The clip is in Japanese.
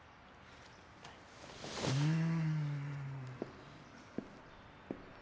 うん。